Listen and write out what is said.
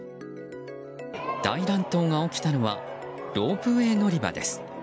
大乱闘が起きたのはロープウェー乗り場です。